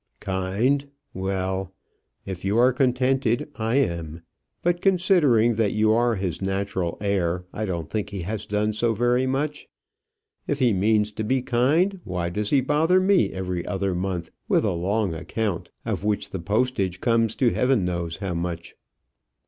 "Kind well. If you are contented, I am; but, considering that you are his natural heir, I don't think he has done so very much. If he means to be kind, why does he bother me every other month with a long account, of which the postage comes to heaven knows how much?"